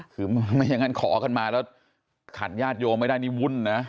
คือไม่อย่างนั้นขอกันมาแล้วขันญาติโยมไม่ได้นี่วุ่นนะ